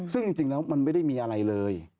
ซึ่งจริงแล้วมันไม่ได้มีอะไรเลย